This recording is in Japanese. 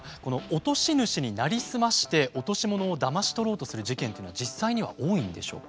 落とし主になりすまして落とし物をだまし取ろうとする事件っていうのは実際には多いんでしょうか？